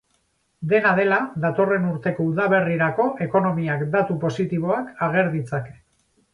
Dena dela, datorren urteko udaberrirako ekonomiak datu positiboak ager ditzake.